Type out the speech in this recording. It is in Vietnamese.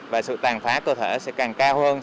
và sự tàn phá cơ thể sẽ càng cao hơn